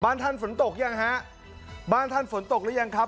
ท่านฝนตกยังฮะบ้านท่านฝนตกหรือยังครับ